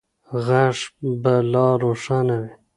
غږ به لا روښانه وي.